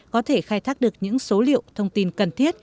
có thể khai thác được những số liệu thông tin cần thiết